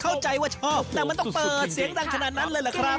เข้าใจว่าชอบแต่มันต้องเปิดเสียงดังขนาดนั้นเลยเหรอครับ